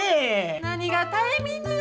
何がタイミングよ